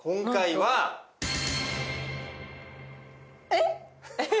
えっ！？